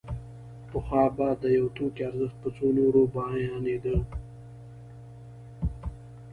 پخوا به د یو توکي ارزښت په څو نورو بیانېده